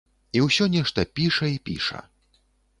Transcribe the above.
І ўсё нешта піша і піша.